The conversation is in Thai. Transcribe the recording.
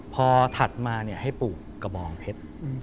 พอถัดมาให้ปลูกกระบองเพชร